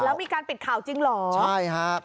แล้วมีการปิดข่าวจริงเหรอใช่ฮะ